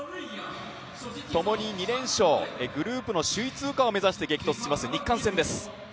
ともに２連勝、グループの首位通過を目指して激突します日韓戦です。